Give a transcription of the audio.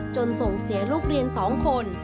ส่งเสียลูกเรียน๒คน